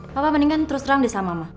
papa mendingan terus terang deh sama mama